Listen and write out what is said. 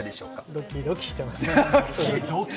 ドキドキしてます。